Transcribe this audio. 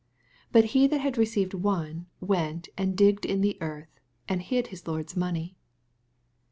18 But he that had received one went and digged in the earth, and hid his lord's money.